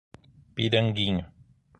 Piranguinho